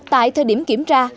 tại thời điểm kiểm tra